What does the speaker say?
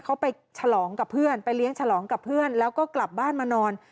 เขาไปเลี้ยงฉลองกับเพื่อนแล้วก็กลับบ้านมานอน